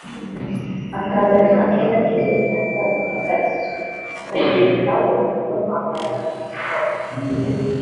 akaza nta kenda k’imbere yambaye(ikariso)akagerekaho no kwambara agakanzu kagufi